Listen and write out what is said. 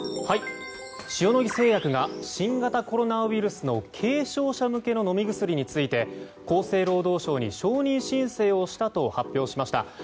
塩野義製薬が新型コロナウイルスの軽症者向けの飲み薬について厚生労働省に承認申請をしたと発表しました。